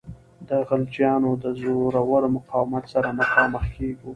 د خلجیانو د زورور مقاومت سره مخامخ کیږو.